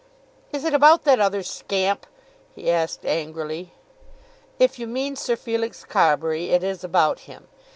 "Is it about that other scamp?" he asked angrily. "If you mean Sir Felix Carbury, it is about him.